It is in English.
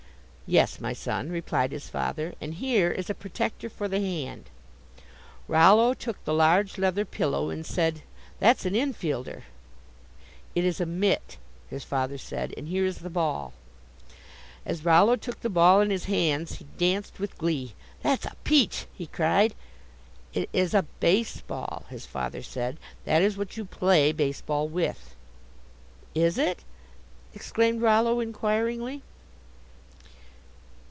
"Yes, my son," replied his father, "and here is a protector for the hand." Rollo took the large leather pillow and said: "That's an infielder." "It is a mitt," his father said, "and here is the ball." As Rollo took the ball in his hands he danced with glee. "That's a peach," he cried. "It is a base ball," his father said, "that is what you play base ball with." "Is it?" exclaimed Rollo, inquiringly.